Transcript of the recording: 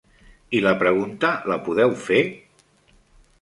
I la pregunta, la podeu fer?